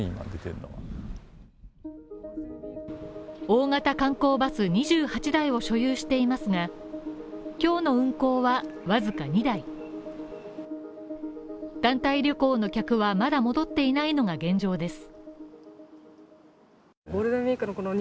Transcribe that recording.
大型観光バス２８台を所有していますが、今日の運行はわずか２台団体旅行の客はまだ戻っていないのが現状です。